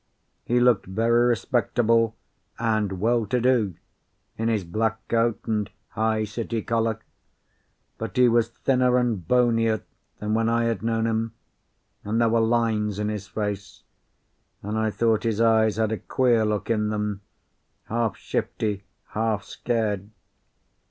He looked very respectable and well to do in his black coat and high city collar; but he was thinner and bonier than when I had known him, and there were lines in his face, and I thought his eyes had a queer look in them, half shifty, half scared.